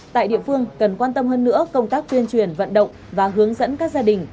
tại địa phương cần quan tâm hơn nữa công tác tuyên truyền vận động và hướng dẫn các gia đình